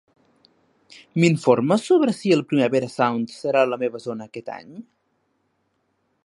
M'informes sobre si el Primavera Sound serà a la meva zona aquest any?